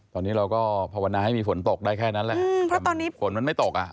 ตอนนี้เราก็ภาวนาให้มีฝนตกได้แค่นั้นแหละเพราะตอนนี้ฝนมันไม่ตกอ่ะ